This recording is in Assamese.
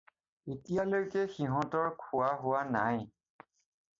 এতিয়ালৈকে সিহঁতৰ খোৱা হোৱা নাই।